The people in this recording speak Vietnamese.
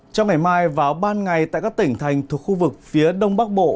trong ngày mai và ban ngày tại các tỉnh thành thuộc khu vực phía đông bắc bộ